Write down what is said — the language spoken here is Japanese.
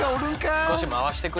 少し回してくれ。